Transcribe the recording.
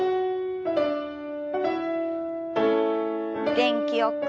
元気よく。